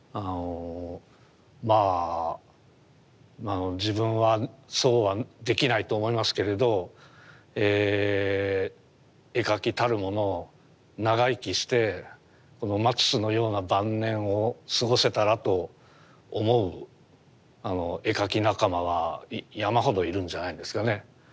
まあ自分はそうはできないと思いますけれど絵描きたるもの長生きしてこのマティスのような晩年を過ごせたらと思う絵描き仲間は山ほどいるんじゃないんですかね。